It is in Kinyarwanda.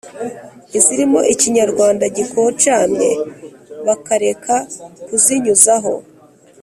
izirimo ikinyarwanda gikocamye bakareka kuzinyuzaho.”